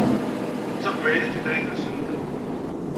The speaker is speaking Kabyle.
D taqbaylit i d tutlayt-nsent.